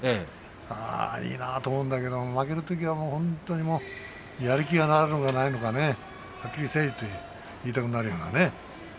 ああいいなと思うんだけど負けるときは本当にもうやる気がないのかあるのかはっきりせえと言いたくなるようなね。